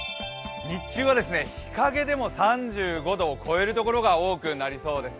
日中は日かげでも３５度を超えるところが多くなりそうです。